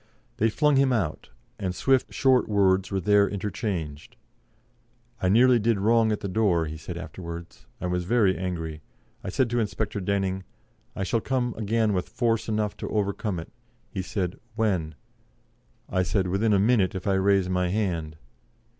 They flung him out, and swift, short words were there interchanged. "I nearly did wrong at the door," he said afterwards, "I was very angry. I said to Inspector Denning, 'I shall come again with force enough to overcome it,' He said, 'When?' I said, 'Within a minute if I raise my hand.'"